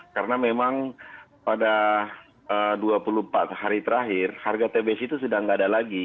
karena memang pada dua puluh empat hari terakhir harga tbc itu sudah tidak ada lagi